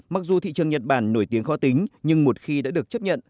mặc dù thị trường nhật bản nổi tiếng khó tính nhưng một khi đã được chấp nhận